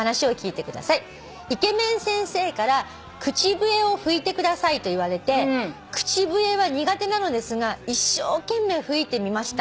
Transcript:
「イケメン先生から『くちぶえをふいてください』と言われて口笛は苦手なのですが一生懸命吹いてみました」